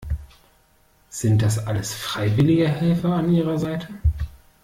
Sind das alles freiwillige Helfer an ihrer Seite?